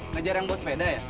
ngejar yang buat sepeda ya